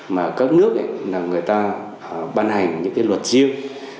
mà các nước bàn hành những luật riêng